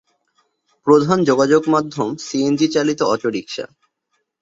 প্রধান যোগাযোগ মাধ্যম সিএনজি চালিত অটোরিক্সা।